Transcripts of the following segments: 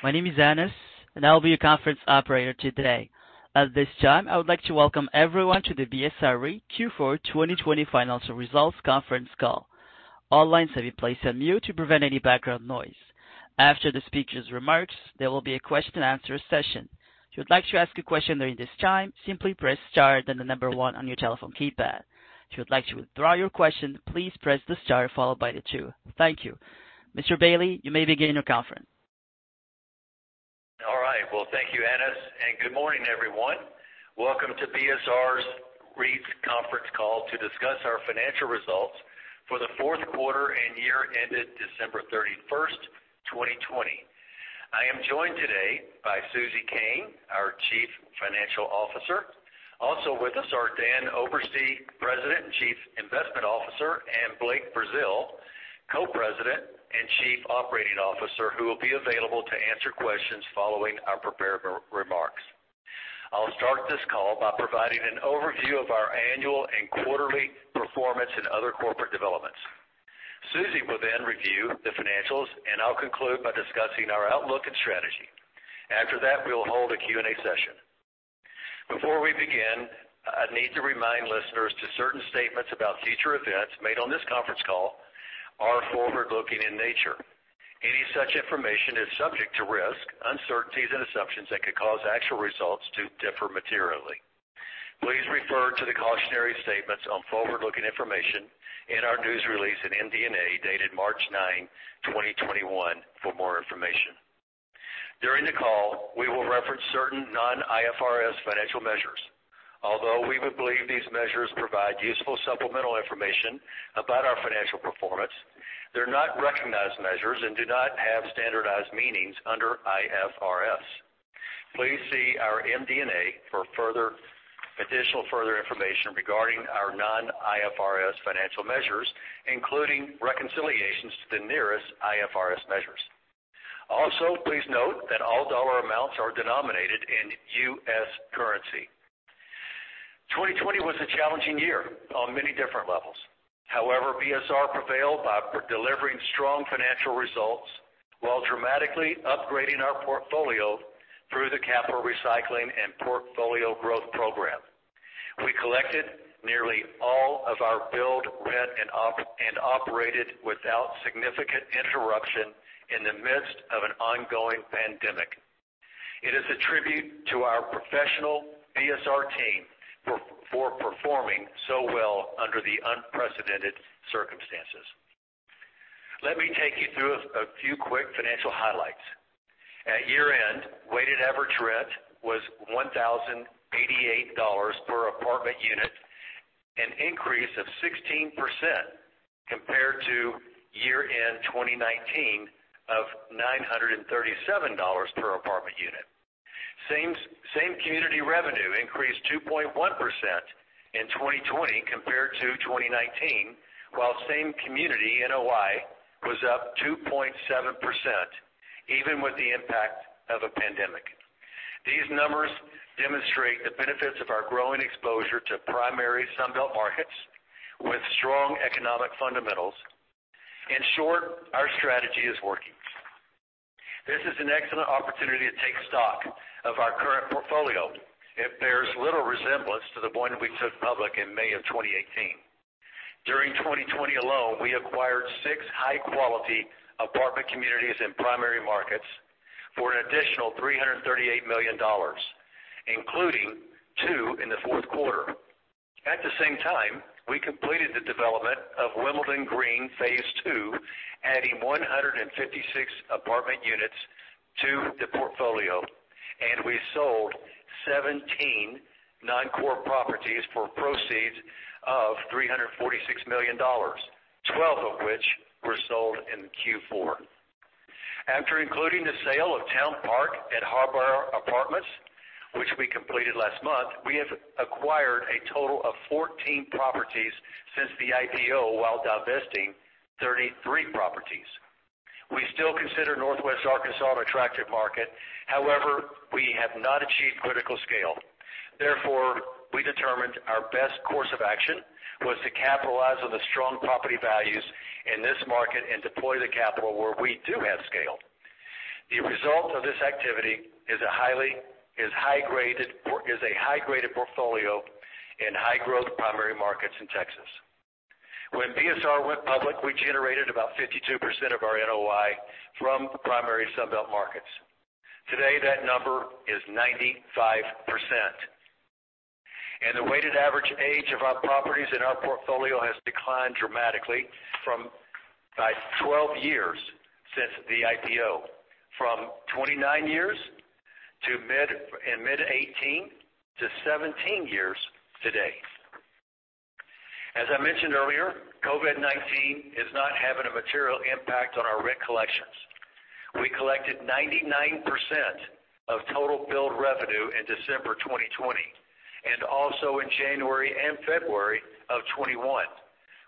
My name is Anas, and I'll be your conference operator today. At this time, I would like to welcome everyone to the BSR REIT Q4 2020 financial results conference call. All lines have been placed on mute to prevent any background noise. After the speakers' remarks, there will be a question-and-answer session. If you would like to ask a question during this time, simply press star, then the number one on your telephone keypad. If you would like to withdraw your question, please press the star followed by the two. Thank you. Mr. Bailey, you may begin your conference. All right. Well, thank you, Anas, and good morning, everyone. Welcome to BSR REIT's conference call to discuss our financial results for the fourth quarter and year ended December 31st, 2020. I am joined today by Susie Koehn, our Chief Financial Officer. Also with us are Dan Oberste, President and Chief Investment Officer, and Blake Brazeal, Co-President and Chief Operating Officer, who will be available to answer questions following our prepared remarks. I'll start this call by providing an overview of our annual and quarterly performance and other corporate developments. Susie will then review the financials, and I'll conclude by discussing our outlook and strategy. After that, we will hold a Q&A session. Before we begin, I need to remind listeners that certain statements about future events made on this conference call are forward-looking in nature. Any such information is subject to risks, uncertainties, and assumptions that could cause actual results to differ materially. Please refer to the cautionary statements on forward-looking information in our news release in MD&A dated March 9, 2021, for more information. During the call, we will reference certain non-IFRS financial measures. Although we believe these measures provide useful supplemental information about our financial performance, they're not recognized measures and do not have standardized meanings under IFRS. Please see our MD&A for additional further information regarding our non-IFRS financial measures, including reconciliations to the nearest IFRS measures. Also, please note that all dollar amounts are denominated in U.S. currency. 2020 was a challenging year on many different levels. However, BSR prevailed by delivering strong financial results while dramatically upgrading our portfolio through the capital recycling and portfolio growth program. We collected nearly all of our billed rent, and operated without significant interruption in the midst of an ongoing pandemic. It is a tribute to our professional BSR team for performing so well under the unprecedented circumstances. Let me take you through a few quick financial highlights. At year-end, weighted average rent was $1,088 per apartment unit, an increase of 16% compared to year-end 2019 of $937 per apartment unit. Same-community revenue increased 2.1% in 2020 compared to 2019, while same-community NOI was up 2.7%, even with the impact of a pandemic. These numbers demonstrate the benefits of our growing exposure to primary Sun Belt markets with strong economic fundamentals. In short, our strategy is working. This is an excellent opportunity to take stock of our current portfolio. It bears little resemblance to the one that we took public in May of 2018. During 2020 alone, we acquired six high-quality apartment communities in primary markets for an additional $338 million, including two in the fourth quarter. At the same time, we completed the development of Wimbledon Green Phase II, adding 156 apartment units to the portfolio, and we sold 17 non-core properties for proceeds of $346 million, 12 of which were sold in Q4. After including the sale of Towne Park at Har-Ber Apartments, which we completed last month, we have acquired a total of 14 properties since the IPO while divesting 33 properties. We still consider Northwest Arkansas an attractive market. However, we have not achieved critical scale. Therefore, we determined our best course of action was to capitalize on the strong property values in this market and deploy the capital where we do have scale. The result of this activity is a high-graded portfolio in high-growth primary markets in Texas. When BSR went public, we generated about 52% of our NOI from primary Sun Belt markets. Today, that number is 95%. The weighted average age of our properties in our portfolio has declined dramatically by 12 years since the IPO, from 29 years in mid 2018 to 17 years today. As I mentioned earlier, COVID-19 is not having a material impact on our rent collections. We collected 99% of total billed revenue in December 2020, and also in January and February of 2021,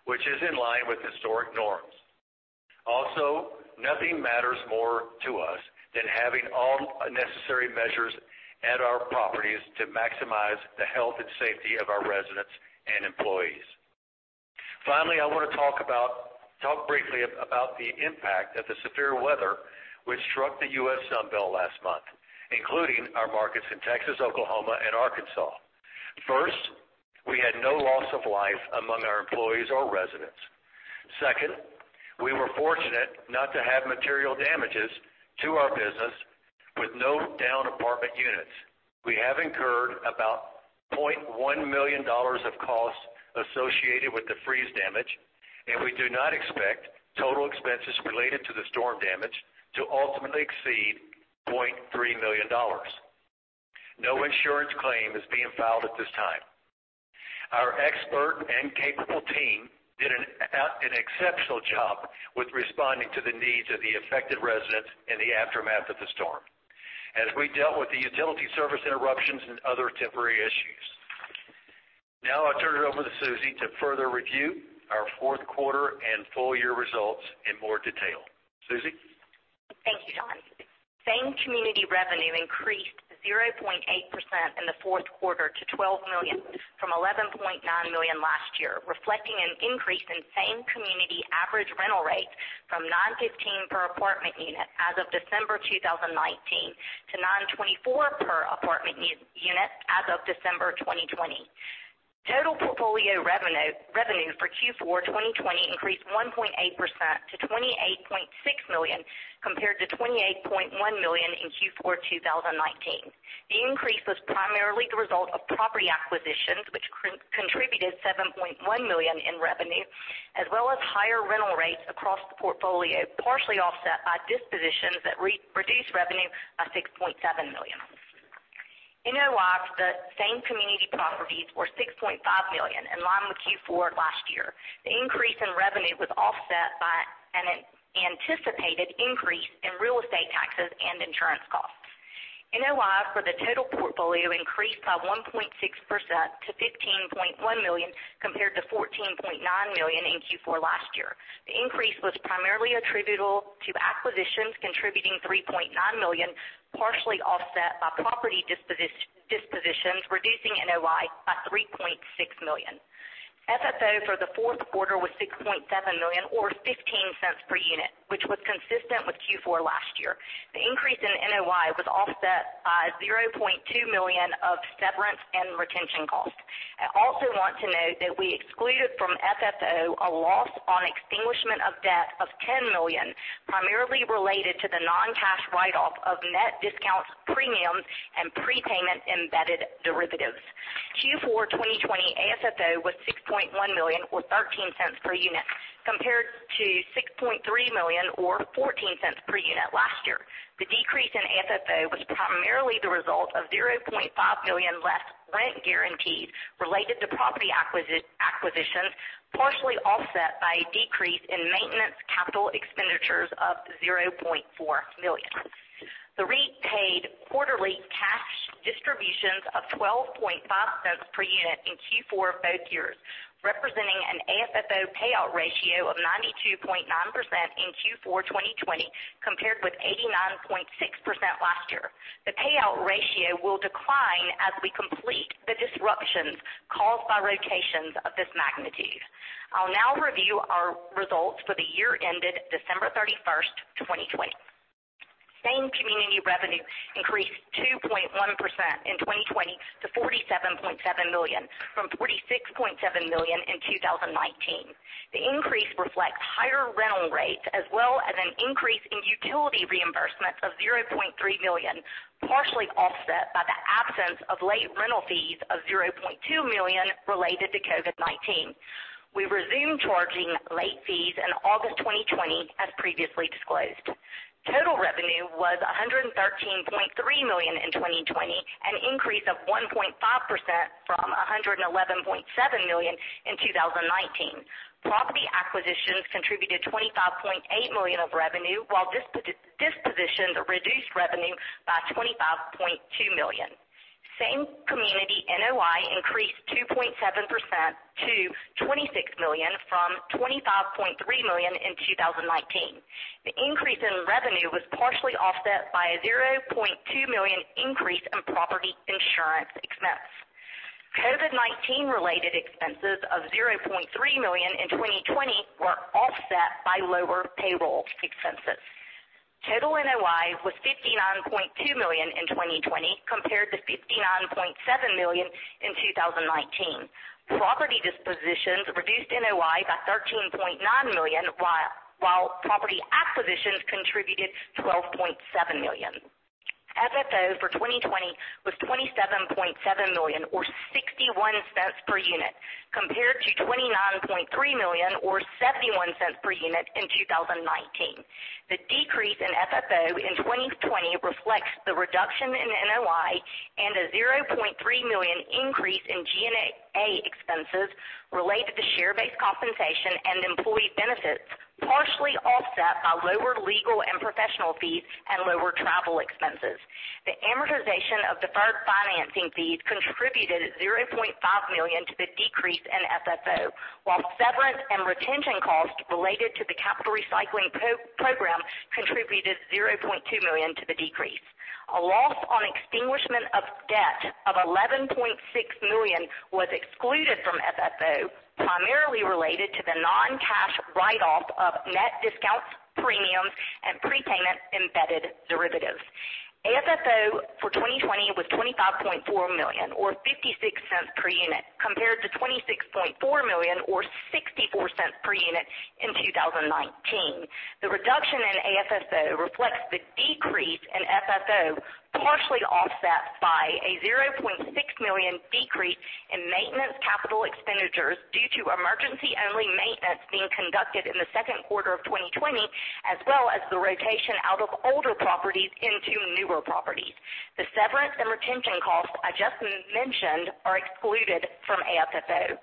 which is in line with historic norms. Nothing matters more to us than having all necessary measures at our properties to maximize the health and safety of our residents and employees. Finally, I want to talk briefly about the impact of the severe weather which struck the U.S. Sun Belt last month, including our markets in Texas, Oklahoma, and Arkansas. First, we had no loss of life among our employees or residents. Second, we were fortunate not to have material damages to our business with no down apartment units. We have incurred about $0.1 million of costs associated with the freeze damage, and we do not expect total expenses related to the storm damage to ultimately exceed $0.3 million. No insurance claim is being filed at this time. Our expert and capable team did an exceptional job with responding to the needs of the affected residents in the aftermath of the storm, as we dealt with the utility service interruptions and other temporary issues. Now I'll turn it over to Susie to further review our fourth quarter and full-year results in more detail. Susie? Thank you, John. Same-community revenue increased 0.8% in the fourth quarter to $12 million from $11.9 million last year, reflecting an increase in same community average rental rates from $9.15 per apartment unit as of December 2019 to $9.24 per apartment unit as of December 2020. Total portfolio revenue for Q4 2020 increased 1.8% to $28.6 million compared to $28.1 million in Q4 2019. The increase was primarily the result of property acquisitions, which contributed $7.1 million in revenue, as well as higher rental rates across the portfolio, partially offset by dispositions that reduced revenue by $6.7 million. NOI for the same community properties were $6.5 million, in line with Q4 last year. The increase in revenue was offset by an anticipated increase in real estate taxes and insurance costs. NOI for the total portfolio increased by 1.6% to $15.1 million compared to $14.9 million in Q4 last year. The increase was primarily attributable to acquisitions contributing $3.9 million, partially offset by property dispositions, reducing NOI by $3.6 million. FFO for the fourth quarter was $6.7 million or $0.15 per unit, which was consistent with Q4 last year. The increase in NOI was offset by $0.2 million of severance and retention costs. I also want to note that we excluded from FFO a loss on extinguishment of debt of $10 million, primarily related to the non-cash write-off of net discounts, premiums, and prepayment-embedded derivatives. Q4 2020 AFFO was $6.1 million or $0.13 per unit compared to $6.3 million or $0.14 per unit last year. The decrease in AFFO was primarily the result of $0.5 million less rent guarantees related to property acquisitions, partially offset by a decrease in maintenance capital expenditures of $0.4 million. The REIT paid quarterly cash distributions of $0.125 per unit in Q4 of both years, representing an AFFO payout ratio of 92.9% in Q4 2020 compared with 89.6% last year. The payout ratio will decline as we complete the disruptions caused by rotations of this magnitude. I'll now review our results for the year ended December 31st, 2020. Same community revenue increased 2.1% in 2020 to $47.7 million from $46.7 million in 2019. The increase reflects higher rental rates as well as an increase in utility reimbursements of $0.3 million, partially offset by the absence of late rental fees of $0.2 million related to COVID-19. We resumed charging late fees in August 2020, as previously disclosed. Total revenue was $113.3 million in 2020, an increase of 1.5% from $111.7 million in 2019. Property acquisitions contributed $25.8 million of revenue while dispositions reduced revenue by $25.2 million. Same community NOI increased 2.7% to $26 million from $25.3 million in 2019. The increase in revenue was partially offset by a $0.2 million increase in property insurance expense. COVID-19 related expenses of $0.3 million in 2020 were offset by lower payroll expenses. Total NOI was $59.2 million in 2020 compared to $59.7 million in 2019. Property dispositions reduced NOI by $13.9 million, while property acquisitions contributed $12.7 million. FFO for 2020 was $27.7 million or $0.61 per unit compared to $29.3 million or $0.71 per unit in 2019. The decrease in FFO in 2020 reflects the reduction in NOI and a $0.3 million increase in G&A expenses related to share-based compensation and employee benefits, partially offset by lower legal and professional fees and lower travel expenses. The amortization of deferred financing fees contributed $0.5 million to the decrease in FFO, while severance and retention costs related to the capital recycling program contributed $0.2 million to the decrease. A loss on extinguishment of debt of $11.6 million was excluded from FFO, primarily related to the non-cash write-off of net discounts, premiums, and prepayment-embedded derivatives. AFFO for 2020 was $25.4 million, or $0.56 per unit, compared to $26.4 million or $0.64 per unit in 2019. The reduction in AFFO reflects the decrease in FFO, partially offset by a $0.6 million decrease in maintenance capital expenditures due to emergency-only maintenance being conducted in the second quarter of 2020, as well as the rotation out of older properties into newer properties. The severance and retention costs I just mentioned are excluded from AFFO.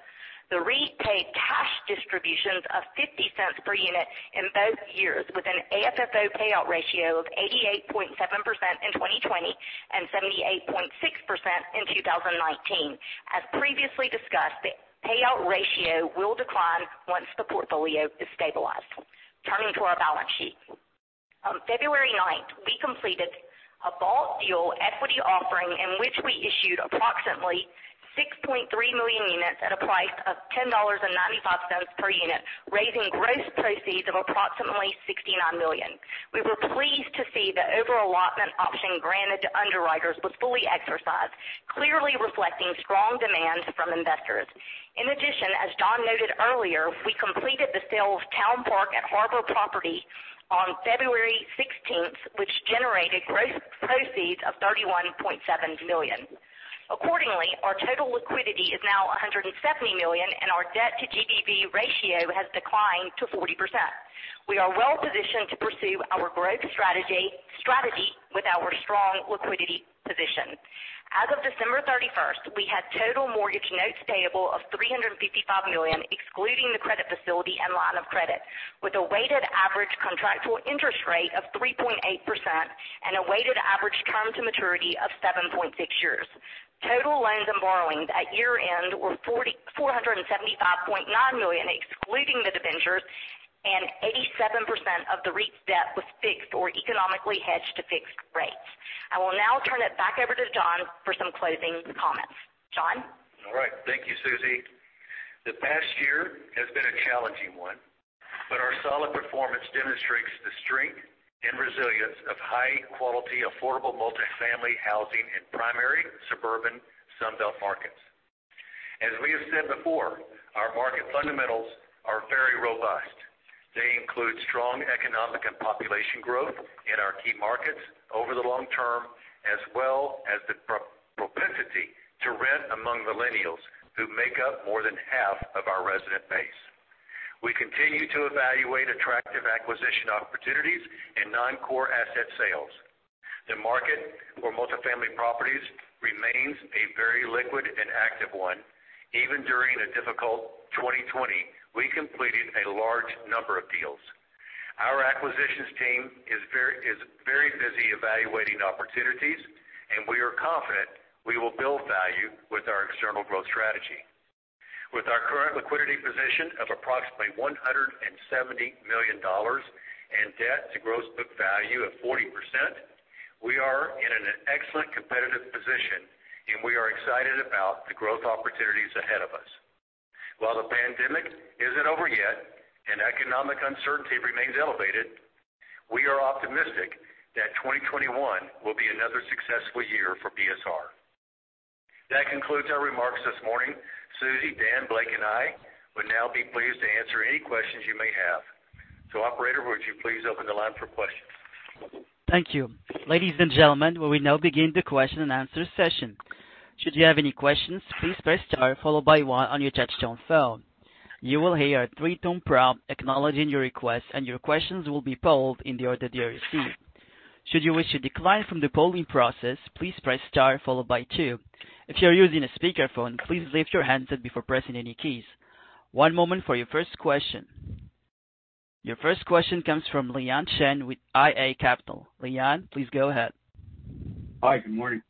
The REIT paid cash distributions of $0.50 per unit in both years with an AFFO payout ratio of 88.7% in 2020 and 78.6% in 2019. As previously discussed, the payout ratio will decline once the portfolio is stabilized. Turning to our balance sheet. On February 9th, we completed a bought deal equity offering in which we issued approximately 6.3 million units at a price of $10.95 per unit, raising gross proceeds of approximately $69 million. We were pleased to see the over-allotment option granted to underwriters was fully exercised, clearly reflecting strong demand from investors. In addition, as Dan noted earlier, we completed the sale of Towne Park at Har-Ber Apartments on February 16th, which generated gross proceeds of $31.7 million. Accordingly, our total liquidity is now $170 million, and our debt to GBV ratio has declined to 40%. We are well-positioned to pursue our growth strategy with our strong liquidity position. As of December 31st, we had total mortgage notes payable of $355 million, excluding the credit facility and line of credit, with a weighted average contractual interest rate of 3.8% and a weighted average term to maturity of 7.6 years. Total loans and borrowings at year-end were $475.9 million, excluding the debentures, and 87% of the REIT's debt was fixed or economically hedged to fixed rates. I will now turn it back over to John for some closing comments. John? All right. Thank you, Susie. The past year has been a challenging one. Our solid performance demonstrates the strength and resilience of high-quality, affordable multifamily housing in primary suburban Sun Belt markets. As we have said before, our market fundamentals are very robust. They include strong economic and population growth in our key markets over the long term, as well as the propensity to rent among millennials who make up more than half of our resident base. We continue to evaluate attractive acquisition opportunities and non-core asset sales. The market for multifamily properties remains a very liquid and active one. Even during a difficult 2020, we completed a large number of deals. Our acquisitions team is very busy evaluating opportunities, and we are confident we will build value with our external growth strategy. With our current liquidity position of approximately $170 million and debt to gross book value of 40%, we are in an excellent competitive position, and we are excited about the growth opportunities ahead of us. While the pandemic isn't over yet and economic uncertainty remains elevated, we are optimistic that 2021 will be another successful year for BSR. That concludes our remarks this morning. Susie, Dan, Blake, and I would now be pleased to answer any questions you may have. Operator, would you please open the line for questions? Thank you. Ladies and gentlemen, we will now begin the question-and-answer session. Should you have any questions, please press star followed by one on your touch-tone phone. You will hear a three-tone prompt acknowledging your request, and your questions will be polled in the order they are received. Should you wish to decline from the polling process, please press star followed by two. If you're using a speakerphone, please lift your handset before pressing any keys. One moment for your first question. Your first question comes from Liyan Chen with IA Capital. Liyan, please go ahead. Hi, good morning.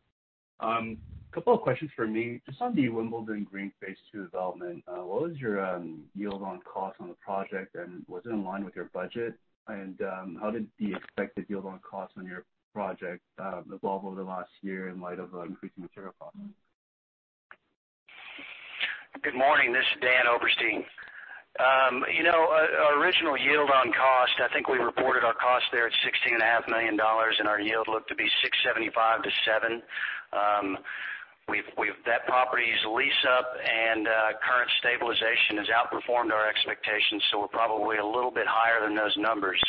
Couple of questions from me. Just on the Wimbledon Green phase two development, what was your yield on cost on the project, and was it in line with your budget? How did the expected yield on cost on your project evolve over the last year in light of increasing material costs? Good morning. This is Dan Oberste. Our original yield on cost, I think we reported our cost there at $16.5 million, and our yield looked to be 6.75%-7.00%. That property's lease-up and current stabilization has outperformed our expectations, so we're probably a little bit higher than those numbers.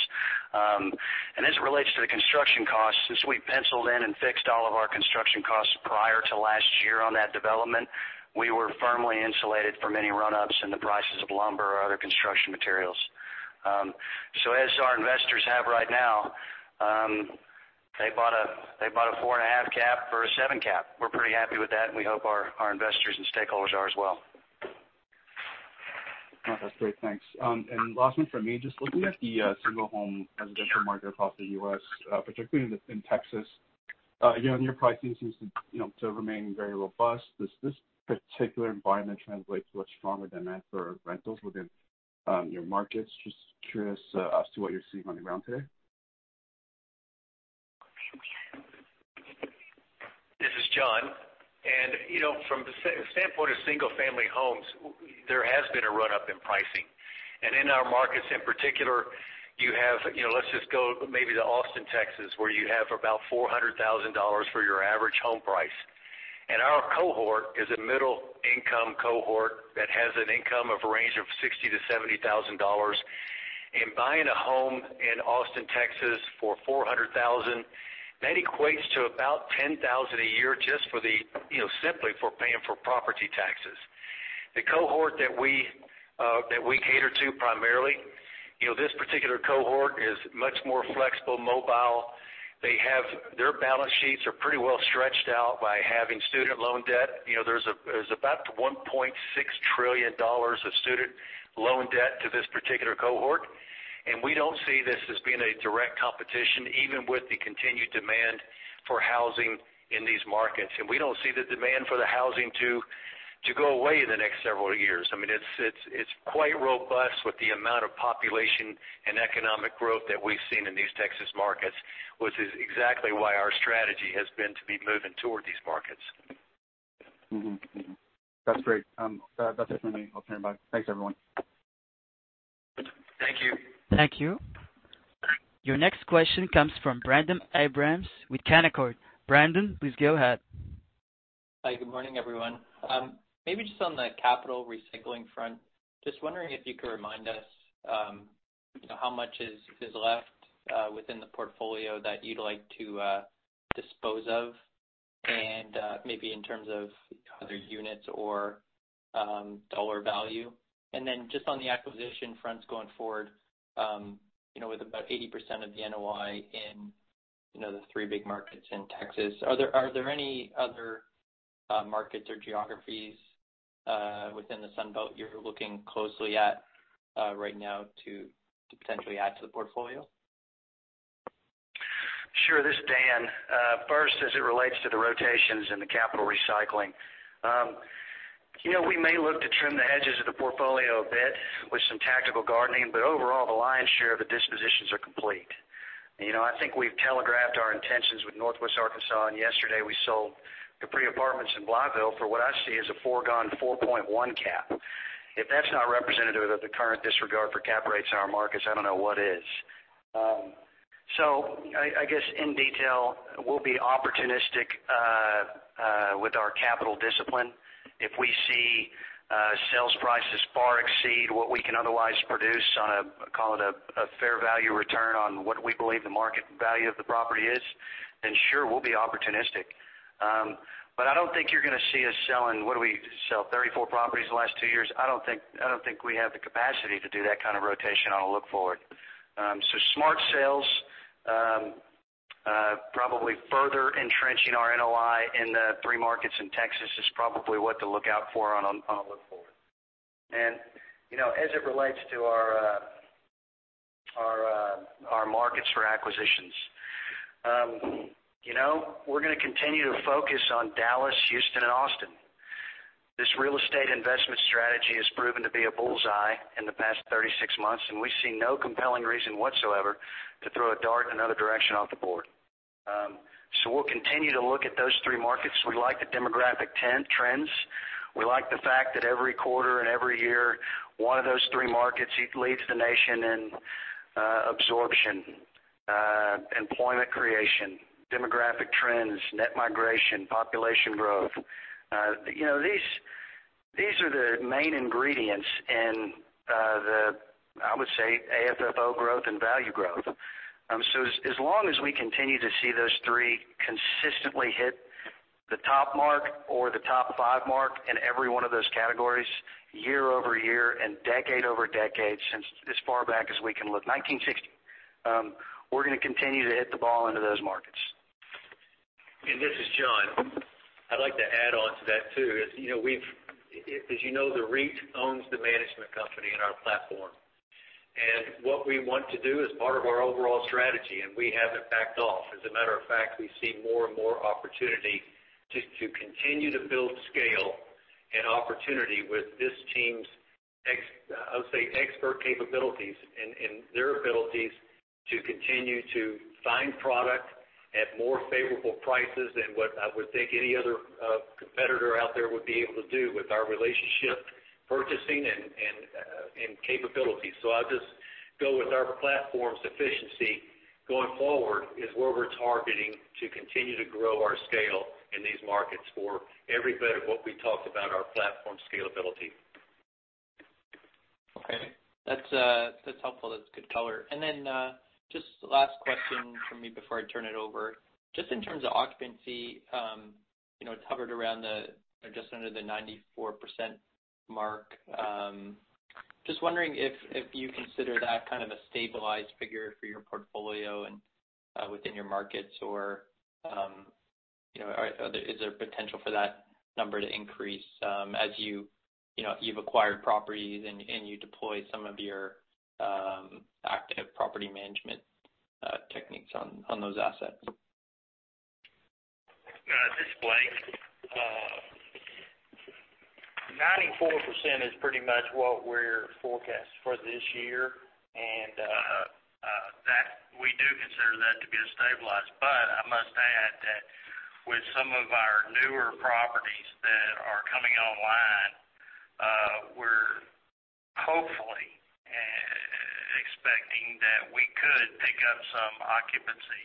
As it relates to the construction costs, since we penciled in and fixed all of our construction costs prior to last year on that development, we were firmly insulated from any run-ups in the prices of lumber or other construction materials. As our investors have right now, they bought a 4.5 cap for a 7 cap. We're pretty happy with that, and we hope our investors and stakeholders are as well. That's great. Thanks. Last one from me. Just looking at the single-home residential market across the U.S., particularly in Texas. Your pricing seems to remain very robust. Does this particular environment translate to a stronger demand for rentals within your markets? Just curious as to what you're seeing on the ground today. This is John. From the standpoint of single-family homes, there has been a run-up in pricing. In our markets in particular, let's just go maybe to Austin, Texas, where you have about $400,000 for your average home price. Our cohort is a middle-income cohort that has an income of a range of $60,000 to $70,000. Buying a home in Austin, Texas, for $400,000, that equates to about $10,000 a year just simply for paying for property taxes. The cohort that we cater to primarily, this particular cohort is much more flexible, mobile. Their balance sheets are pretty well stretched out by having student loan debt. There's about $1.6 trillion of student loan debt to this particular cohort, we don't see this as being a direct competition, even with the continued demand for housing in these markets. We don't see the demand for the housing to go away in the next several years. It's quite robust with the amount of population and economic growth that we've seen in these Texas markets, which is exactly why our strategy has been to be moving toward these markets. That's great. That's it for me. I'll turn it back. Thanks, everyone. Thank you. Thank you. Your next question comes from Brendon Abrams with Canaccord. Brendon, please go ahead. Hi. Good morning, everyone. Maybe just on the capital recycling front, just wondering if you could remind us how much is left within the portfolio that you'd like to dispose of, maybe in terms of either units or dollar value. Then just on the acquisition fronts going forward, with about 80% of the NOI in the three big markets in Texas, are there any other markets or geographies within the Sun Belt you're looking closely at right now to potentially add to the portfolio? Sure. This is Dan. First, as it relates to the rotations and the capital recycling. We may look to trim the edges of the portfolio a bit with some tactical gardening, but overall, the lion's share of the dispositions are complete. I think we've telegraphed our intentions with Northwest Arkansas, and yesterday we sold Capri Apartments in Blytheville for what I see as a foregone 4.1 cap. If that's not representative of the current disregard for cap rates in our markets, I don't know what is. I guess in detail, we'll be opportunistic with our capital discipline. If we see sales prices far exceed what we can otherwise produce on a, call it, a fair value return on what we believe the market value of the property is, then sure, we'll be opportunistic. I don't think you're going to see us selling What did we sell? 34 properties in the last two years. I don't think we have the capacity to do that kind of rotation on a look-forward. Smart sales, probably further entrenching our NOI in the three markets in Texas is probably what to look out for on a look-forward. As it relates to our markets for acquisitions. We're going to continue to focus on Dallas, Houston and Austin. This real estate investment strategy has proven to be a bullseye in the past 36 months, and we see no compelling reason whatsoever to throw a dart another direction off the board. We'll continue to look at those three markets. We like the demographic trends. We like the fact that every quarter and every year, one of those three markets leads the nation in absorption, employment creation, demographic trends, net migration, population growth. These are the main ingredients in the, I would say, AFFO growth and value growth. As long as we continue to see those three consistently hit the top mark or the top five mark in every one of those categories year-over-year and decade-over-decade, since as far back as we can look, 1960, we're going to continue to hit the ball into those markets. This is John. I'd like to add on to that, too. As you know, the REIT owns the management company in our platform. What we want to do as part of our overall strategy, and we haven't backed off. As a matter of fact, we see more and more opportunity to continue to build scale and opportunity with this team's, I would say, expert capabilities and their abilities to continue to find product at more favorable prices than what I would think any other competitor out there would be able to do with our relationship, purchasing, and capabilities. I'll just go with our platform's efficiency going forward is where we're targeting to continue to grow our scale in these markets for every bit of what we talked about our platform scalability. Okay. That's helpful. That's good color. Just last question from me before I turn it over. Just in terms of occupancy, it hovered around the, or just under the 94% mark. Just wondering if you consider that kind of a stabilized figure for your portfolio and within your markets, or is there potential for that number to increase as you've acquired properties and you deploy some of your active property management techniques on those assets? This is Blake. 94% is pretty much what we're forecast for this year, and we do consider that to be a stabilized. I must add that with some of our newer properties that are coming online, we're hopefully expecting that we could pick up some occupancy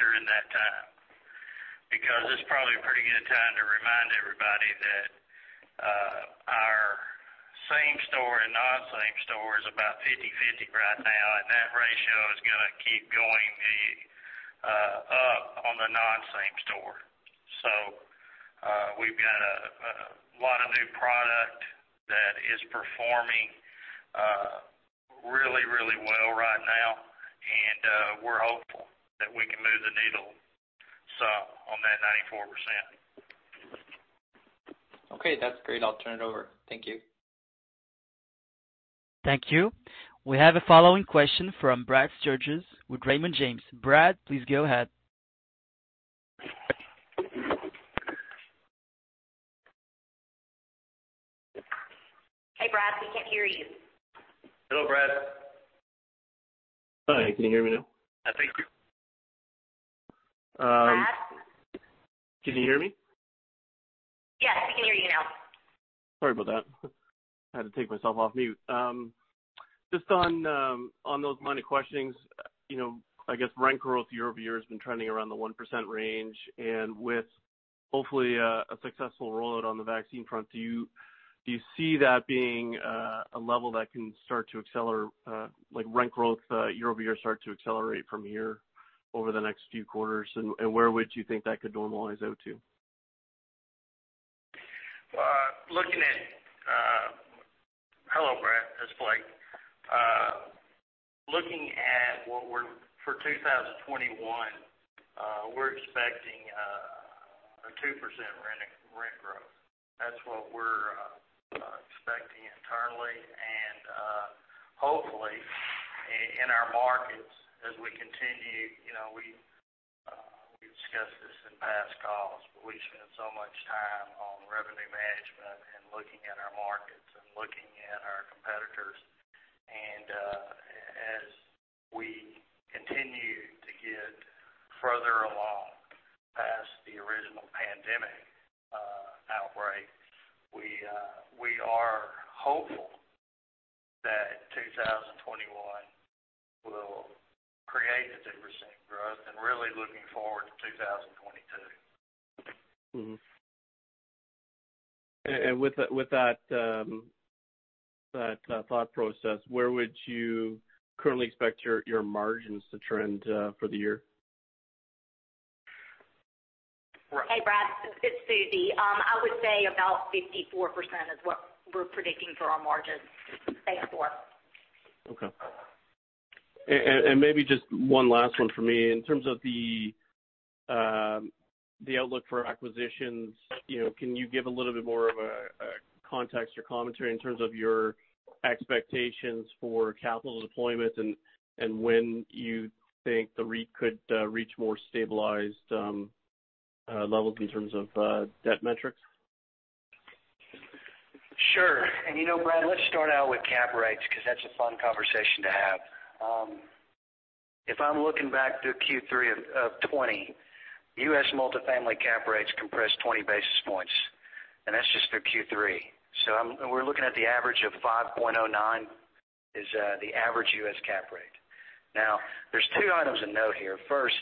during that time. This is probably a pretty good time to remind everybody that our same store and non-same store is about 50/50 right now, and that ratio is going to keep going up on the non-same store. We've got a lot of new product that is performing really well right now, and we're hopeful that we can move the needle some on that 94%. Okay. That's great. I'll turn it over. Thank you. Thank you. We have a following question from Brad Sturges with Raymond James. Brad, please go ahead. Hey, Brad, we can't hear you. Hello, Brad. Hi, can you hear me now? I think so. Brad. Can you hear me? Yes, we can hear you now. Sorry about that. I had to take myself off mute. Just on those line of questionings, I guess rent growth year-over-year has been trending around the 1% range, with hopefully a successful rollout on the vaccine front, do you see that being a level that can start to accelerate, like rent growth year-over-year start to accelerate from here over the next few quarters? Where would you think that could normalize out to? Hello, Brad. It's Blake. Looking at for 2021, we're expecting a 2% rent growth. That's what we're expecting internally. Hopefully, in our markets, as we continue, we've discussed this in past calls. We spend so much time on revenue management and looking at our markets and looking at our competitors. As we continue to get further along past the original pandemic outbreak, we are hopeful that 2021 will create the 2% growth and really looking forward to 2022. Mm-hmm. With that thought process, where would you currently expect your margins to trend for the year? Hey, Brad, it's Susie. I would say about 54% is what we're predicting for our margins, based forward. Okay. Maybe just one last one for me. In terms of the outlook for acquisitions, can you give a little bit more of a context or commentary in terms of your expectations for capital deployment and when you think the REIT could reach more stabilized levels in terms of debt metrics? Sure. Brad, let's start out with cap rates because that's a fun conversation to have. If I'm looking back to Q3 of 2020, U.S. multifamily cap rates compressed 20 basis points, and that's just through Q3. We're looking at the average of 5.09 is the average U.S. cap rate. There's two items of note here. First,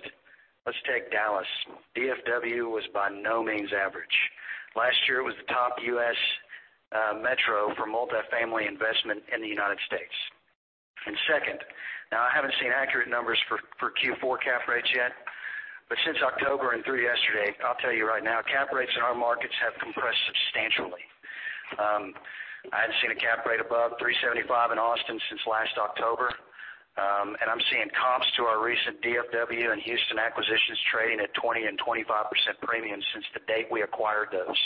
let's take Dallas. DFW was by no means average. Last year, it was the top U.S. metro for multifamily investment in the United States. Second. I haven't seen accurate numbers for Q4 cap rates yet, but since October and through yesterday, I'll tell you right now, cap rates in our markets have compressed substantially. I hadn't seen a cap rate above 3.75 in Austin since last October, and I'm seeing comps to our recent DFW and Houston acquisitions trading at 20% and 25% premium since the date we acquired those.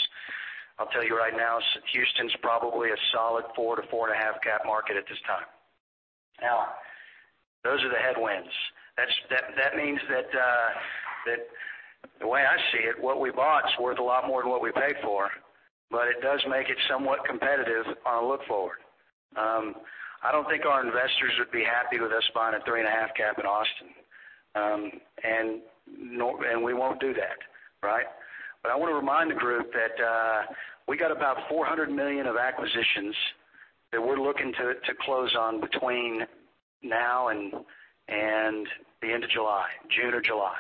I'll tell you right now, Houston's probably a solid 4-4.5 cap market at this time. Those are the headwinds. That means that the way I see it, what we bought is worth a lot more than what we paid for, but it does make it somewhat competitive on a look forward. I don't think our investors would be happy with us buying a 3.5 cap in Austin. We won't do that. I want to remind the group that we got about $400 million of acquisitions that we're looking to close on between now and the end of July. June or July.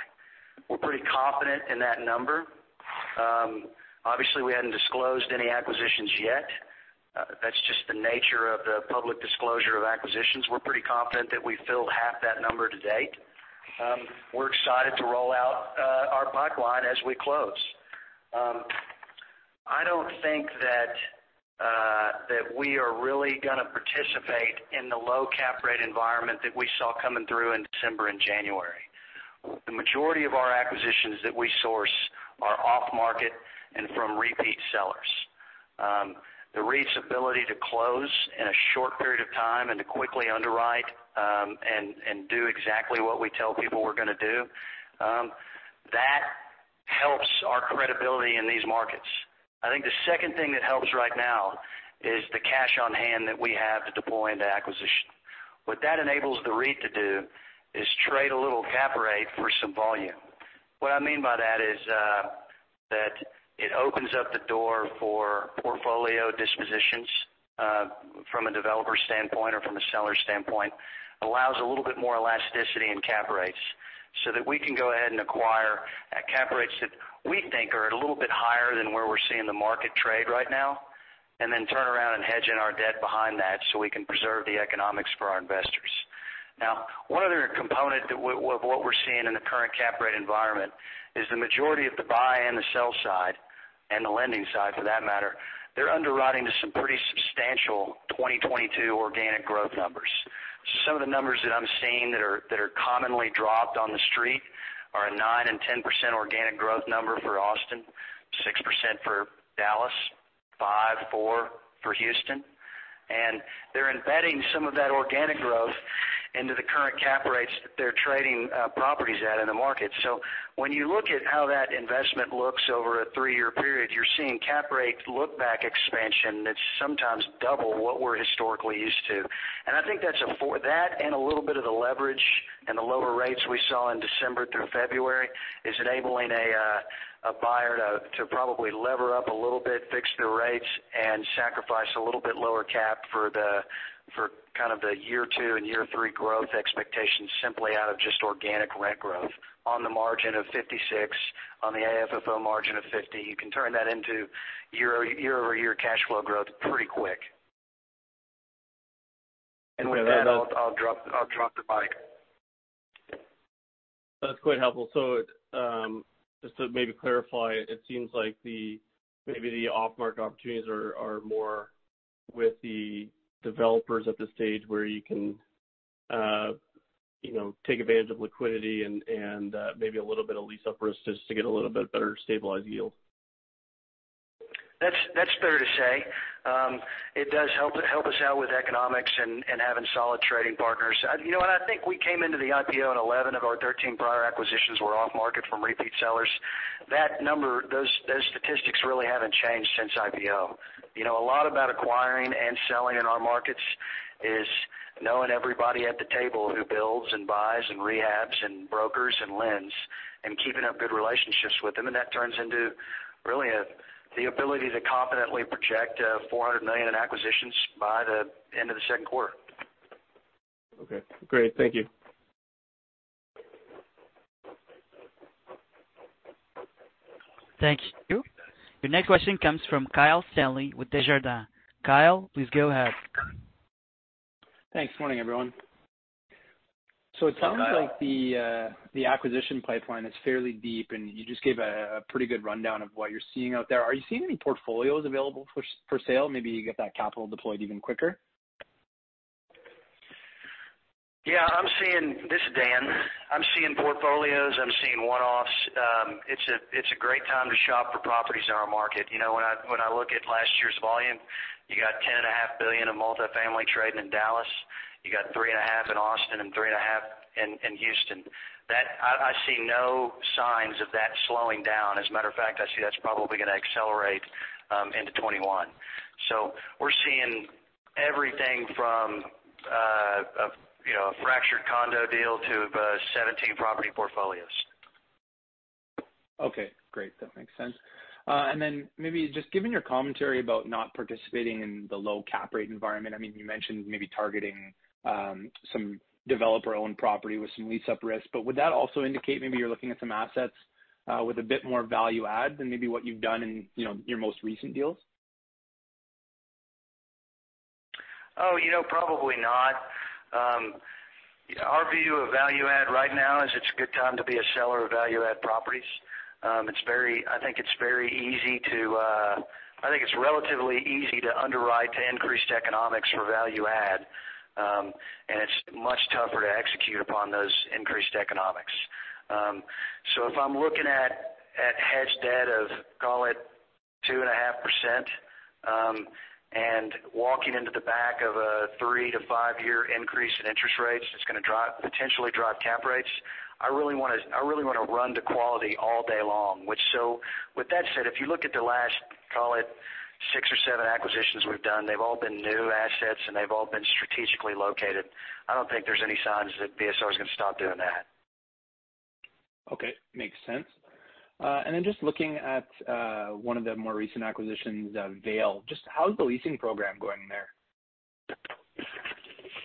We're pretty confident in that number. Obviously, we hadn't disclosed any acquisitions yet. That's just the nature of the public disclosure of acquisitions. We're pretty confident that we filled half that number to date. We're excited to roll out our pipeline as we close. I don't think that we are really going to participate in the low cap rate environment that we saw coming through in December and January. The majority of our acquisitions that we source are off-market and from repeat sellers. The REIT's ability to close in a short period of time and to quickly underwrite, and do exactly what we tell people we're going to do, that helps our credibility in these markets. I think the second thing that helps right now is the cash on hand that we have to deploy into acquisition. What that enables the REIT to do is trade a little cap rate for some volume. What I mean by that is that it opens up the door for portfolio dispositions from a developer standpoint or from a seller standpoint. Allows a little bit more elasticity in cap rates, so that we can go ahead and acquire at cap rates that we think are a little bit higher than where we're seeing the market trade right now, and then turn around and hedge in our debt behind that so we can preserve the economics for our investors. Now, one other component of what we're seeing in the current cap rate environment is the majority of the buy and the sell side, and the lending side for that matter, they're underwriting to some pretty substantial 2022 organic growth numbers. Some of the numbers that I'm seeing that are commonly dropped on the street are a 9% and 10% organic growth number for Austin, 6% for Dallas, 5%, 4% for Houston. They're embedding some of that organic growth into the current cap rates that they're trading properties at in the market. When you look at how that investment looks over a three-year period, you're seeing cap rate look-back expansion that's sometimes double what we're historically used to. I think that and a little bit of the leverage and the lower rates we saw in December through February is enabling a buyer to probably lever up a little bit, fix their rates, and sacrifice a little bit lower cap for the year two and year three growth expectations, simply out of just organic rent growth. On the margin of 56%, on the AFFO margin of 50%, you can turn that into year-over-year cash flow growth pretty quick. With that, I'll drop the mic. That's quite helpful. Just to maybe clarify, it seems like maybe the off-market opportunities are more with the developers at the stage where you can take advantage of liquidity and maybe a little bit of lease-up risk just to get a little bit better stabilized yield. That's fair to say. It does help us out with economics and having solid trading partners. I think we came into the IPO, and 11 of our 13 prior acquisitions were off-market from repeat sellers. Those statistics really haven't changed since IPO. A lot about acquiring and selling in our markets is knowing everybody at the table who builds and buys and rehabs and brokers and lends, and keeping up good relationships with them. That turns into, really, the ability to confidently project $400 million in acquisitions by the end of the second quarter. Okay, great. Thank you. Thank you. Your next question comes from Kyle Stanley with Desjardins. Kyle, please go ahead. Thanks. Morning, everyone. Hi, Kyle. It sounds like the acquisition pipeline is fairly deep, and you just gave a pretty good rundown of what you're seeing out there. Are you seeing any portfolios available for sale, maybe you get that capital deployed even quicker? Yeah. This is Dan. I'm seeing portfolios, I'm seeing one-offs. It's a great time to shop for properties in our market. When I look at last year's volume, you got $10.5 billion of multifamily trading in Dallas, you got $3.5 billion in Austin, and $3.5 billion in Houston. I see no signs of that slowing down. As a matter of fact, I see that's probably going to accelerate into 2021. We're seeing everything from a fractured condo deal to 17 property portfolios. Okay, great. That makes sense. Maybe just given your commentary about not participating in the low cap rate environment, you mentioned maybe targeting some developer-owned property with some lease-up risk. Would that also indicate maybe you're looking at some assets with a bit more value add than maybe what you've done in your most recent deals? Probably not. Our view of value add right now is it's a good time to be a seller of value-add properties. I think it's relatively easy to underwrite to increased economics for value add. It's much tougher to execute upon those increased economics. If I'm looking at hedged debt of, call it 2.5%, and walking into the back of a 3 to 5-year increase in interest rates, that's going to potentially drive cap rates, I really want to run to quality all day long. With that said, if you look at the last, call it six or seven acquisitions we've done, they've all been new assets, and they've all been strategically located. I don't think there's any signs that BSR is going to stop doing that. Okay. Makes sense. Then just looking at one of the more recent acquisitions, Vale, just how is the leasing program going there?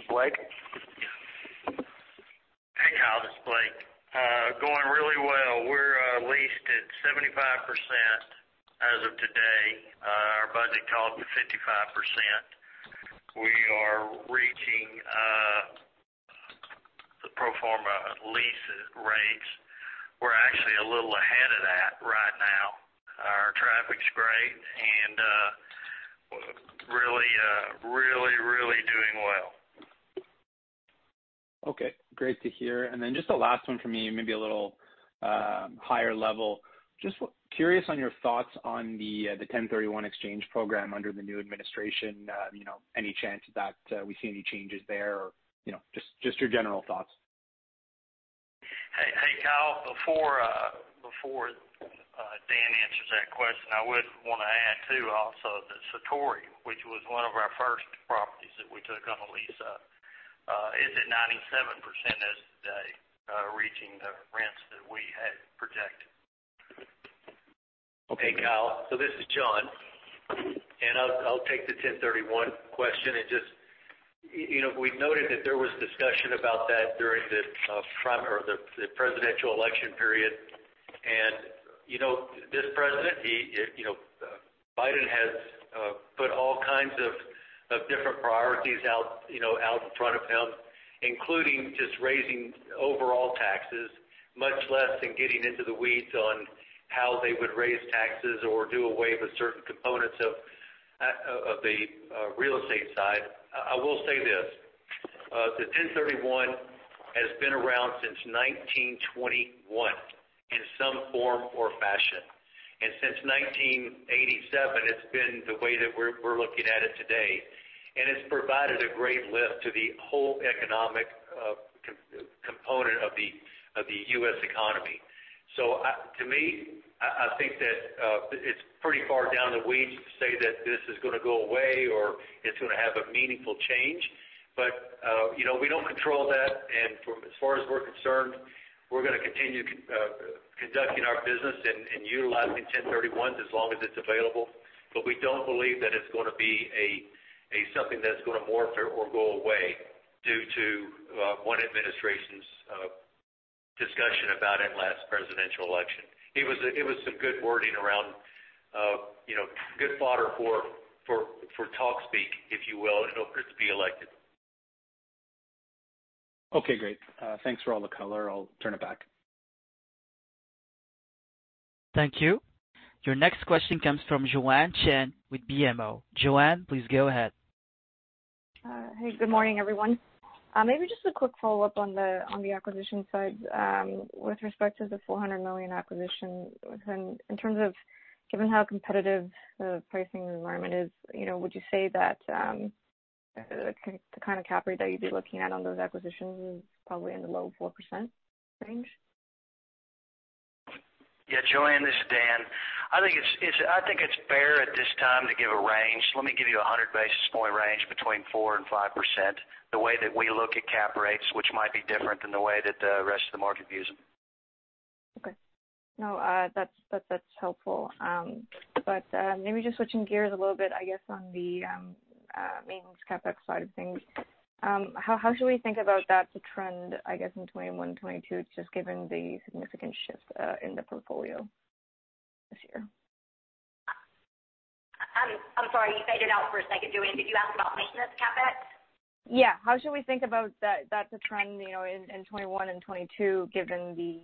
Blake? Hey, Kyle, this is Blake. Going really well. We're leased at 75% as of today. Our budget called for 55%. We are reaching the pro forma lease rates. We're actually a little ahead of that right now. Our traffic's great. Okay, great to hear. Just the last one for me, maybe a little higher level. Just curious on your thoughts on the 1031 exchange program under the new administration. Any chance that we see any changes there or just your general thoughts? Hey, Kyle, before Dan answers that question, I would want to add too, also, that Satori, which was one of our first properties that we took on a lease up, is at 97% as of today, reaching the rents that we had projected. Okay. Hey, Kyle, this is John, I'll take the 1031 question. Just, we noted that there was discussion about that during the presidential election period. This president, Biden, has put all kinds of different priorities out in front of him, including just raising overall taxes, much less than getting into the weeds on how they would raise taxes or do away with certain components of the real estate side. I will say this, the 1031 has been around since 1921 in some form or fashion. Since 1987, it's been the way that we're looking at it today. It's provided a great lift to the whole economic component of the U.S. economy. To me, I think that it's pretty far down the weeds to say that this is going to go away or it's going to have a meaningful change. We don't control that, and from as far as we're concerned, we're going to continue conducting our business and utilizing 1031s as long as it's available. We don't believe that it's going to be something that's going to morph or go away due to one administration's discussion about it last presidential election. It was some good wording around, good fodder for talk speak, if you will, in order for him to be elected. Okay, great. Thanks for all the color. I'll turn it back. Thank you. Your next question comes from Joanne Chen with BMO. Joanne, please go ahead. Hey, good morning, everyone. Maybe just a quick follow-up on the acquisition side. With respect to the $400 million acquisition, in terms of given how competitive the pricing environment is, would you say that the kind of cap rate that you'd be looking at on those acquisitions is probably in the low 4% range? Yeah, Joanne, this is Dan. I think it's fair at this time to give a range. Let me give you 100 basis point range between 4% and 5%, the way that we look at cap rates, which might be different than the way that the rest of the market views them. Okay. No, that's helpful. Maybe just switching gears a little bit, I guess, on the maintenance CapEx side of things. How should we think about that to trend, I guess, in 2021, 2022, just given the significant shift in the portfolio this year? I'm sorry, you faded out for a second, Joanne. Did you ask about maintenance CapEx? Yeah. How should we think about that to trend, in 2021 and 2022, given the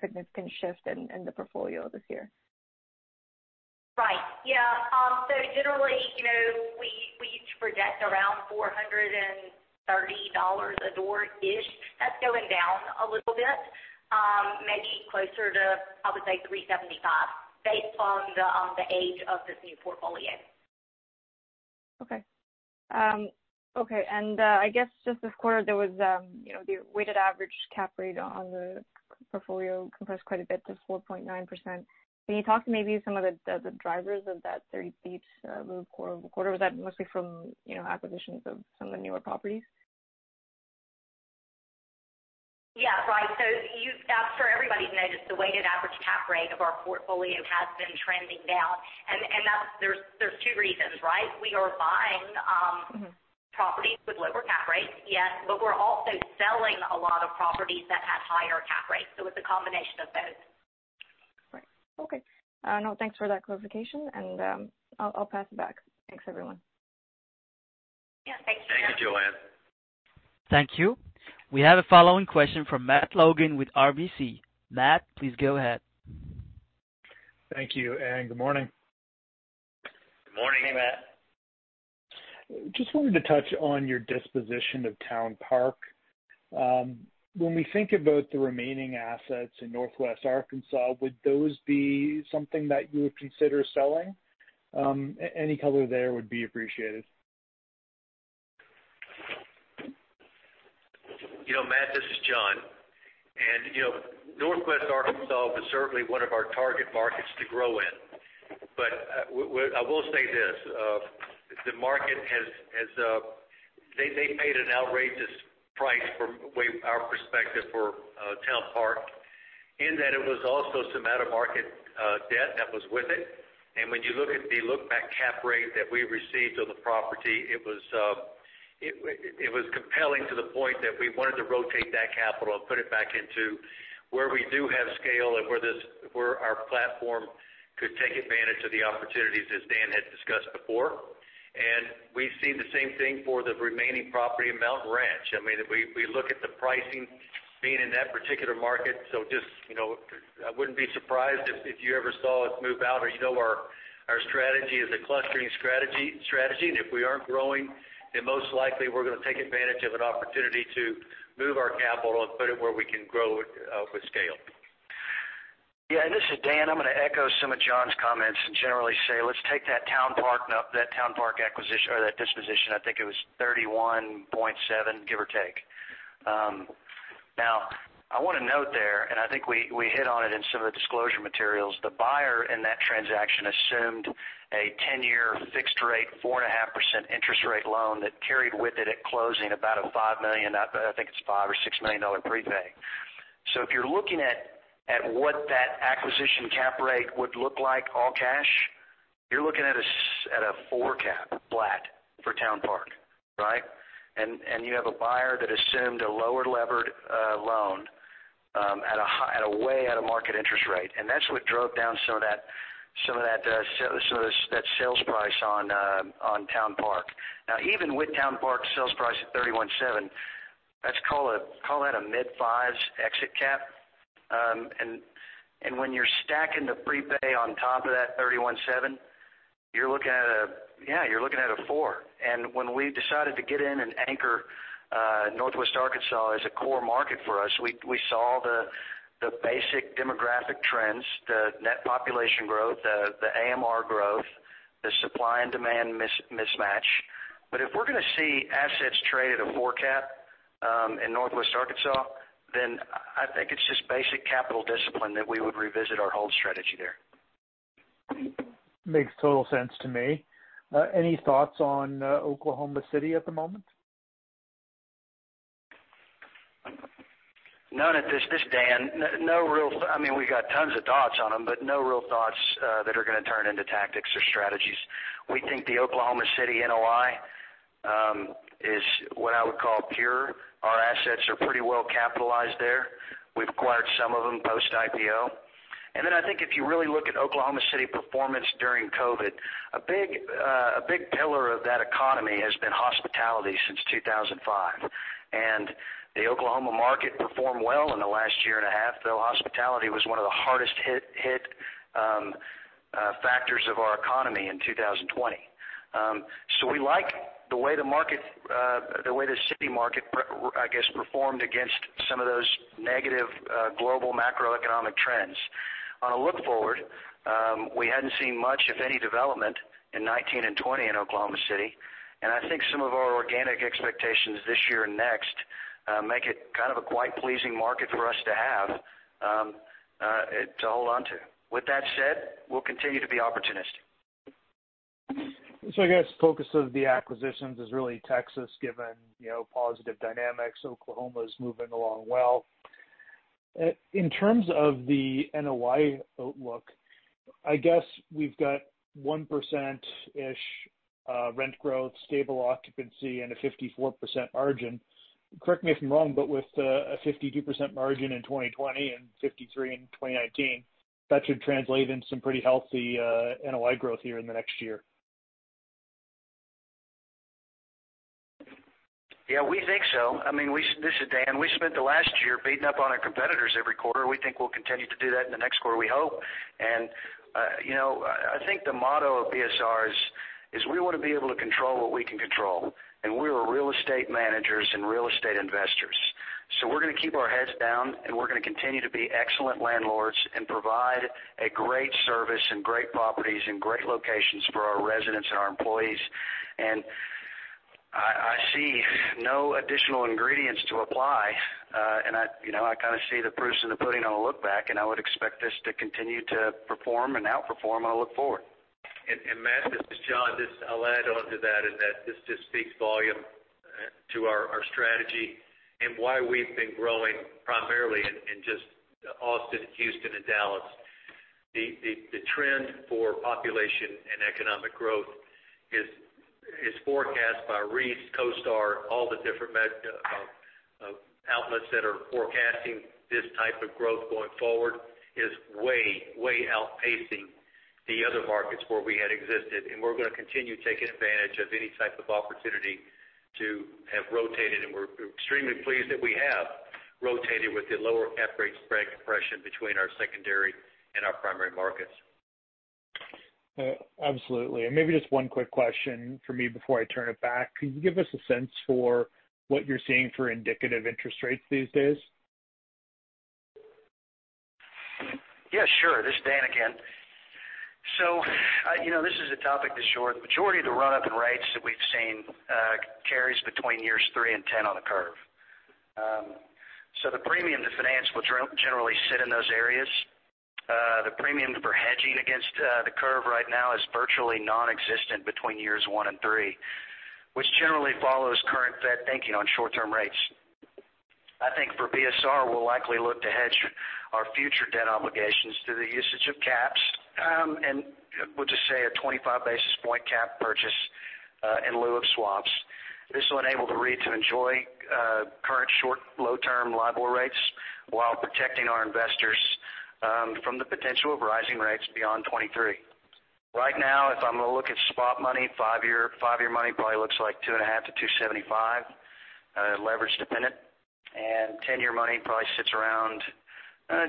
significant shift in the portfolio this year? Right. Yeah. Generally, we each project around $430 a door-ish. That's going down a little bit. Maybe closer to, I would say, $375 based on the age of this new portfolio. Okay. I guess just this quarter, there was the weighted average cap rate on the portfolio compressed quite a bit to 4.9%. Can you talk to maybe some of the drivers of that 30 basis points move quarter-over-quarter? Was that mostly from acquisitions of some of the newer properties? Yeah. Right. I'm sure everybody's noticed the weighted average cap rate of our portfolio has been trending down. There's two reasons, right? We are buying properties with lower cap rates, yes. We're also selling a lot of properties that had higher cap rates. It's a combination of both. Right. Okay. No, thanks for that clarification. I'll pass it back. Thanks, everyone. Yeah. Thanks, Joanne. Thank you, Joanne. Thank you. We have a following question from Matt Logan with RBC. Matt, please go ahead. Thank you, and good morning. Good morning, Matt. Just wanted to touch on your disposition of Towne Park. When we think about the remaining assets in Northwest Arkansas, would those be something that you would consider selling? Any color there would be appreciated. Matt, this is John. Northwest Arkansas was certainly one of our target markets to grow in. I will say this. They paid an outrageous price from our perspective for Towne Park, in that it was also some out of market debt that was with it. When you look at the look-back cap rate that we received on the property, it was compelling to the point that we wanted to rotate that capital and put it back into where we do have scale and where our platform could take advantage of the opportunities as Dan had discussed before. We see the same thing for the remaining property in Mountain Ranch. We look at the pricing being in that particular market, I wouldn't be surprised if you ever saw us move out or you know our strategy is a clustering strategy. If we aren't growing, then most likely we're going to take advantage of an opportunity to move our capital and put it where we can grow it with scale. Yeah, this is Dan. I'm going to echo some of John's comments and generally say, let's take that Towne Park acquisition or that disposition, I think it was $31.7 million, give or take. I want to note there, and I think we hit on it in some of the disclosure materials, the buyer in that transaction assumed a 10-year fixed-rate, 4.5% interest rate loan that carried with it at closing about a $5 million, I think it's $5 million or $6 million prepay. If you're looking at what that acquisition cap rate would look like all cash, you're looking at a 4 cap flat for Towne Park. Right? You have a buyer that assumed a lower levered loan at a way at a market interest rate. That's what drove down some of that sales price on Towne Park. Now, even with Towne Park sales price at $31.7 million, let's call that a mid-5s exit cap. When you're stacking the prepay on top of that $31.7 million, you're looking at 4. When we decided to get in and anchor Northwest Arkansas as a core market for us, we saw the basic demographic trends, the net population growth, the AMR growth, the supply and demand mismatch. If we're going to see assets trade at a 4 cap in Northwest Arkansas, then I think it's just basic capital discipline that we would revisit our hold strategy there. Makes total sense to me. Any thoughts on Oklahoma City at the moment? None. This is Dan. We got tons of thoughts on them, but no real thoughts that are going to turn into tactics or strategies. We think the Oklahoma City NOI is what I would call pure. Our assets are pretty well capitalized there. We've acquired some of them post-IPO. Then I think if you really look at Oklahoma City performance during COVID, a big pillar of that economy has been hospitality since 2005, and the Oklahoma market performed well in the last year and a half, though hospitality was one of the hardest hit factors of our economy in 2020. We like the way the city market, I guess, performed against some of those negative global macroeconomic trends. On a look-forward, we hadn't seen much, if any, development in 2019 and 2020 in Oklahoma City. I think some of our organic expectations this year and next make it kind of a quite pleasing market for us to have to hold onto. With that said, we'll continue to be opportunistic. I guess focus of the acquisitions is really Texas given positive dynamics. Oklahoma's moving along well. In terms of the NOI outlook, I guess we've got 1%-ish rent growth, stable occupancy, and a 54% margin. Correct me if I'm wrong, with a 52% margin in 2020 and 53% in 2019, that should translate into some pretty healthy NOI growth here in the next year. Yeah, we think so. This is Dan. We spent the last year beating up on our competitors every quarter. We think we'll continue to do that in the next quarter, we hope. I think the motto of BSR is we want to be able to control what we can control, and we are real estate managers and real estate investors. We're going to keep our heads down, and we're going to continue to be excellent landlords and provide a great service and great properties and great locations for our residents and our employees. I see no additional ingredients to apply, and I kind of see the proofs in the pudding on a look-back, and I would expect this to continue to perform and outperform on a look-forward. Matt, this is John. Just I'll add onto that, is that this just speaks volume to our strategy and why we've been growing primarily in just Austin, Houston, and Dallas. The trend for population and economic growth is forecast by Reis, CoStar, all the different outlets that are forecasting this type of growth going forward is way outpacing the other markets where we had existed. We're going to continue taking advantage of any type of opportunity to have rotated, and we're extremely pleased that we have rotated with the lower cap rate spread compression between our secondary and our primary markets. Absolutely. Maybe just one quick question from me before I turn it back. Could you give us a sense for what you're seeing for indicative interest rates these days? Yeah, sure. This is Dan again. This is a topic that short, the majority of the run-up in rates that we've seen carries between years 3 and 10 on the curve. The premium to finance will generally sit in those areas. The premium for hedging against the curve right now is virtually non-existent between years one and three, which generally follows current Fed thinking on short-term rates. I think for BSR, we'll likely look to hedge our future debt obligations through the usage of caps, and we'll just say a 25 basis point cap purchase in lieu of swaps. This will enable the REIT to enjoy current short low-term LIBOR rates while protecting our investors from the potential of rising rates beyond 2023. Right now, if I'm going to look at swap money, five-year money probably looks like 2.5%-2.75%, leverage dependent, and 10-year money probably sits around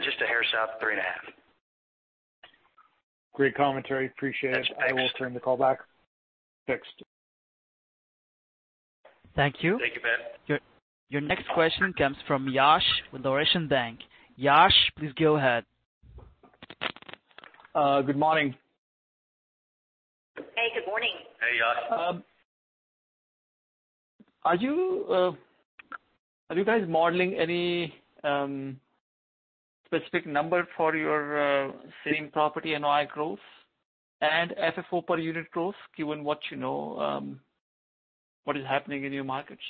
just a hair south of 3.5%. Great commentary. Appreciate it. Thanks. I will turn the call back. Fixed. Thank you. Thank you, Matt. Your next question comes from Yash with Laurentian Bank. Yash, please go ahead. Good morning. Hey, good morning. Hey, Yash. Are you guys modeling any specific number for your same-property NOI growth and FFO per unit growth, given what you know, what is happening in your markets?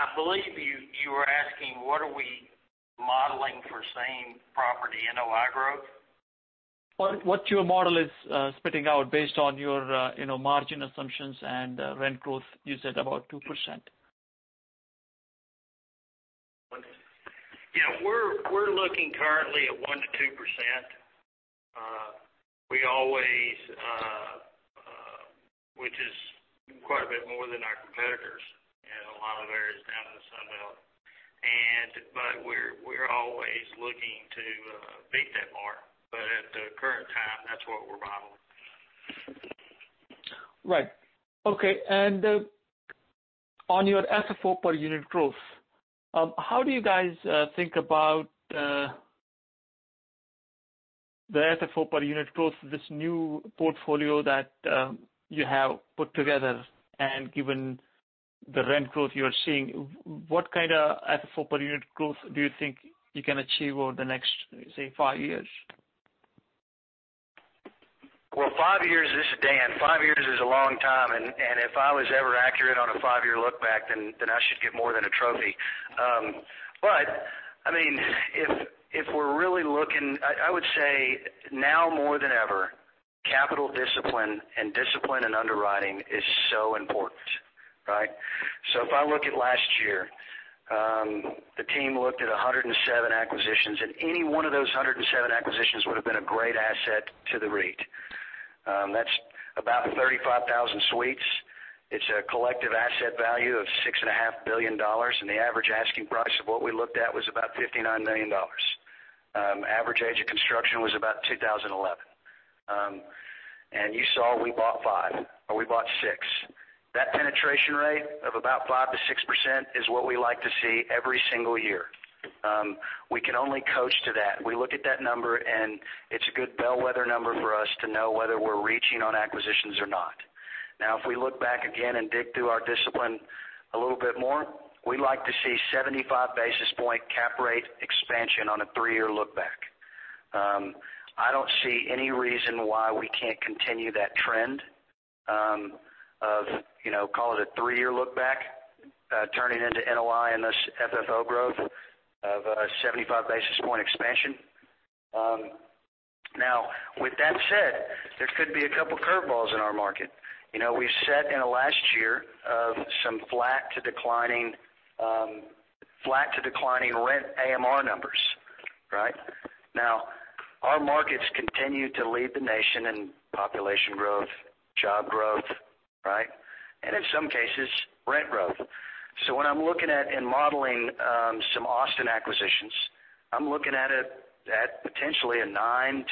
I believe you were asking what are we modeling for same-property NOI growth? What your model is spitting out based on your margin assumptions and rent growth. You said about 2%. Yeah. We're looking currently at 1%-2%, which is quite a bit more than our competitors in a lot of areas down in the Sun Belt. We're always looking to beat that mark, but at the current time, that's what we're modeling. Right. Okay. On your FFO per unit growth, how do you guys think about the FFO per unit growth for this new portfolio that you have put together? Given the rent growth you are seeing, what kind of FFO per unit growth do you think you can achieve over the next, say, five years? Well, five years. This is Dan. Five years is a long time, and if I was ever accurate on a five-year look back, then I should get more than a trophy. If we're really looking, I would say now more than ever, capital discipline and discipline in underwriting is so important. If I look at last year, the team looked at 107 acquisitions, and any one of those 107 acquisitions would've been a great asset to the REIT. That's about 35,000 suites. It's a collective asset value of $6.5 billion, and the average asking price of what we looked at was about $59 million. Average age of construction was about 2011. You saw we bought five, or we bought six. That penetration rate of about 5%-6% is what we like to see every single year. We can only coach to that. We look at that number, and it's a good bellwether number for us to know whether we're reaching on acquisitions or not. Now, if we look back again and dig through our discipline a little bit more, we like to see 75 basis point cap rate expansion on a three-year look back. I don't see any reason why we can't continue that trend of, call it a three-year look back, turning into NOI and this FFO growth of a 75 basis point expansion. Now, with that said, there could be a couple curve balls in our market. We've set in the last year of some flat to declining rent AMR numbers. Now, our markets continue to lead the nation in population growth, job growth, and in some cases, rent growth. When I'm looking at and modeling some Austin acquisitions, I'm looking at potentially a 9%-11%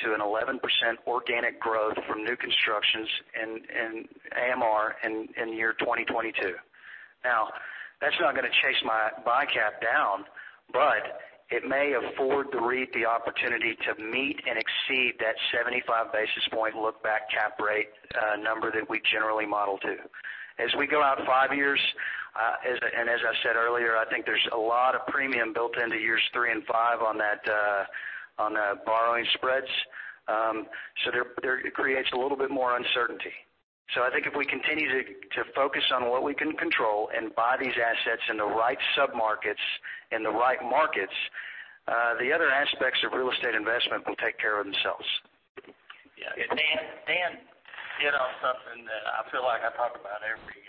organic growth from new constructions in AMR in 2022. That's not going to chase my buy cap down, but it may afford the REIT the opportunity to meet and exceed that 75 basis point look back cap rate number that we generally model to. As we go out five years, and as I said earlier, I think there's a lot of premium built into years three and five on the borrowing spreads. It creates a little bit more uncertainty. I think if we continue to focus on what we can control and buy these assets in the right sub-markets, in the right markets, the other aspects of real estate investment will take care of themselves. Yeah. Dan hit on something that I feel like I talk about every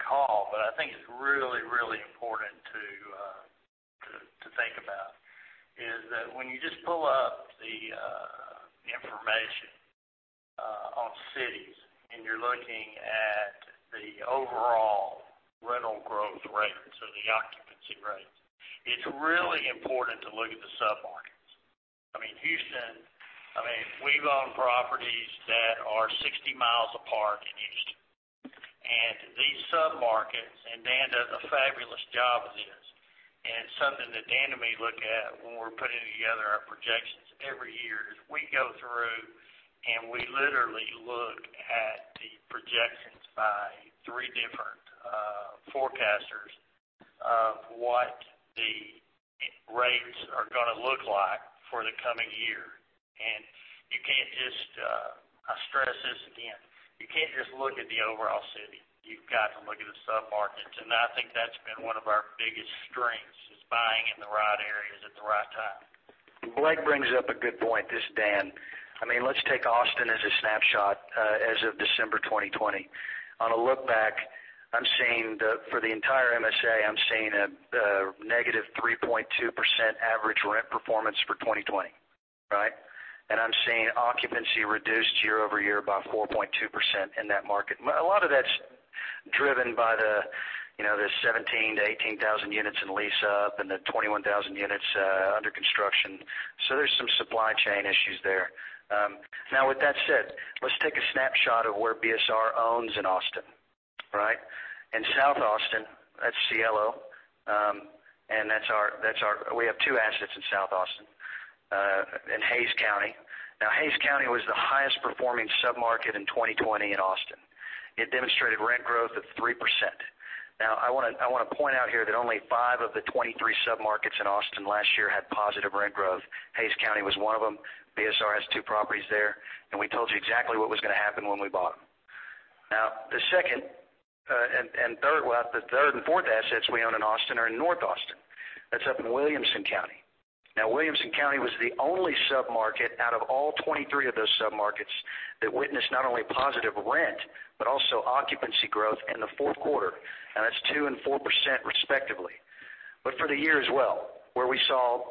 call, but I think it's really, really important to think about, is that when you just pull up the information on cities, and you're looking at the overall rental growth rates or the occupancy rates, it's really important to look at the sub-markets. Houston, we've owned properties that are 60 mi apart in Houston. These sub-markets, and Dan does a fabulous job with this, and something that Dan and me look at when we're putting together our projections every year is we go through, and we literally look at the projections by three different forecasters of what the rates are going to look like for the coming year. I stress this again, you can't just look at the overall city. You've got to look at the sub-markets. I think that's been one of our biggest strengths, is buying in the right areas at the right time. Blake brings up a good point. This is Dan. Let's take Austin as a snapshot, as of December 2020. On a look back, for the entire MSA, I'm seeing a -3.2% average rent performance for 2020. Seeing occupancy reduced year-over-year by 4.2% in that market. A lot of that's driven by the 17,000-18,000 units in lease up and the 21,000 units under construction. There's some supply chain issues there. With that said, let's take a snapshot of where BSR owns in Austin. In South Austin, that's Cielo. We have two assets in South Austin, in Hays County. Hays County was the highest performing sub-market in 2020 in Austin. It demonstrated rent growth of 3%. I want to point out here that only five of the 23 sub-markets in Austin last year had positive rent growth. Hays County was one of them. BSR has two properties there, and we told you exactly what was going to happen when we bought them. Now, the third and fourth assets we own in Austin are in North Austin. That's up in Williamson County. Now, Williamson County was the only sub-market out of all 23 of those sub-markets that witnessed not only positive rent, but also occupancy growth in the fourth quarter, and that's 2% and 4% respectively. For the year as well, where we saw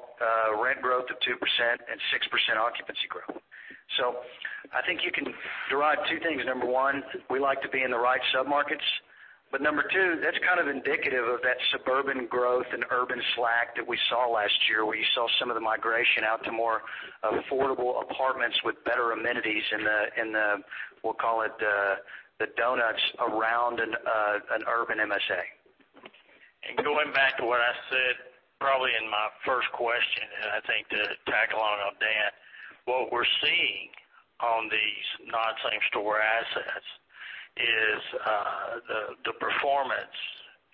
rent growth of 2% and 6% occupancy growth. I think you can derive two things. Number one, we like to be in the right sub-markets. Number two, that's kind of indicative of that suburban growth and urban slack that we saw last year, where you saw some of the migration out to more affordable apartments with better amenities in the, we'll call it, the donuts around an urban MSA. Going back to what I said probably in my first question, and I think to tag along on Dan, what we're seeing on these non-same store assets is the performance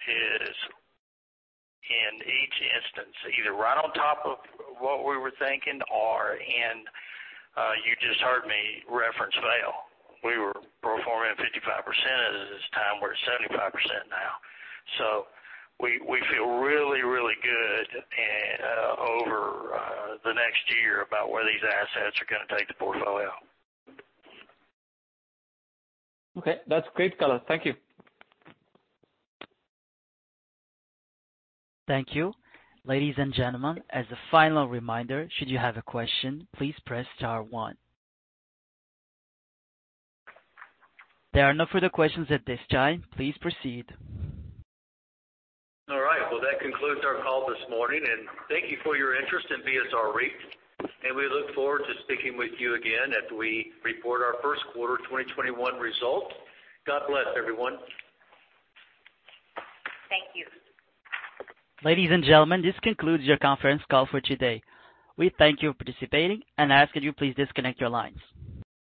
is in each instance, either right on top of what we were thinking or in, you just heard me reference Vale. We were performing at 55% at this time. We're at 75% now. We feel really, really good over the next year about where these assets are going to take the portfolio. Okay. That's great, fellas. Thank you. Thank you. Ladies and gentlemen, as a final reminder, should you have a question, please press star one. There are no further questions at this time. Please proceed. All right. Well, that concludes our call this morning, and thank you for your interest in BSR REIT, and we look forward to speaking with you again as we report our first quarter 2021 results. God bless everyone. Thank you. Ladies and gentlemen, this concludes your conference call for today. We thank you for participating and ask that you please disconnect your lines.